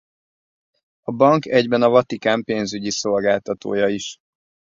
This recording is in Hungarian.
A bank egyben a Vatikán pénzügyi szolgáltatója is.